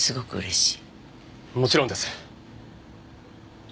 もちろんです。